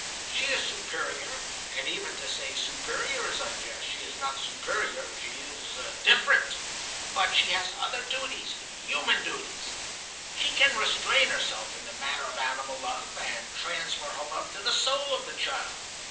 She is superior (and even to say superior is unjust, she is not superior, she is different), but she has other duties, human duties. She can restrain herself in the matter of animal love, and transfer her love to the soul of the child.